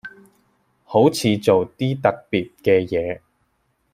好似做啲特別嘅嘢